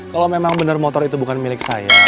kalau memang benar motor itu bukan milik saya